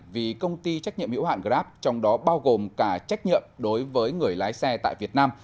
vì công ty trách nhiệm hữu hạn grab trong đó bao gồm cả trách nhiệm đối với người lái xe tại việt nam